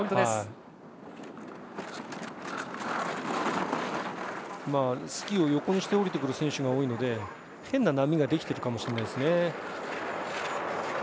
スキーを横にして降りてくる選手が多いので、変な波ができているかもしれませんね。